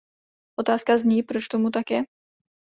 Otázka zní, proč tomu tak je?